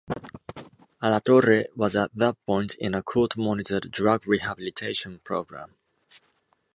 Alatorre was at that point in a court-monitored drug rehabilitation program.